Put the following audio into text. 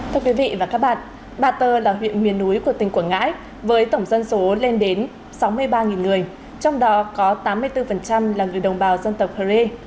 thưa quý vị và các bạn ba tơ là huyện miền núi của tỉnh quảng ngãi với tổng dân số lên đến sáu mươi ba người trong đó có tám mươi bốn là người đồng bào dân tộc hờ rê